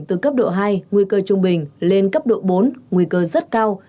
từ cấp độ hai nguy cơ trung bình lên cấp độ bốn nguy cơ rất cao